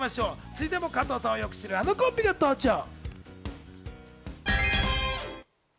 続いても加藤さんをよく知るあのコンビが登場。